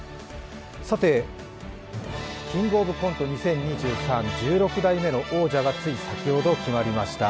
さて、「キングオブコント２０２３」１６代目の王者がつい先ほど決まりました。